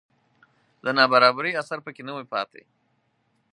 د نابرابرۍ اثر په کې نه وي پاتې